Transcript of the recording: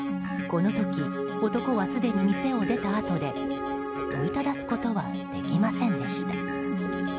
この時、男はすでに店を出たあとで問いただすことはできませんでした。